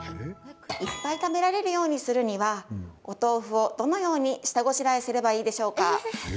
いっぱい食べられるようにするにはお豆腐を、どのように下ごしらえすればよいでしょうか？